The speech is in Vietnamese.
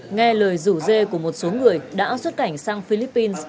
nghe lời rủ dê của một số người đã xuất cảnh sang philippines